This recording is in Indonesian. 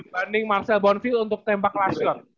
pening marcel bonville untuk tembak lashor